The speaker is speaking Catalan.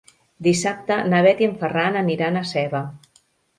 Dissabte na Bet i en Ferran aniran a Seva.